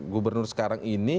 gubernur sekarang ini